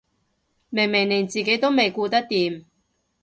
明明連自己都未顧得掂